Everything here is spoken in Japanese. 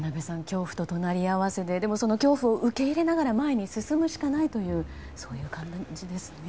恐怖と隣り合わせでその恐怖を受け入れながら前に進むしかないとそういう感じですね。